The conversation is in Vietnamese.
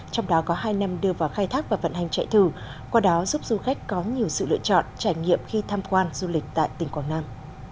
trong đó có hai năm đưa vào khai thác và vận hành chạy thử qua đó giúp du khách có nhiều sự lựa chọn trải nghiệm khi tham quan du lịch tại tỉnh quảng nam